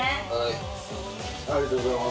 ・ありがとうございます。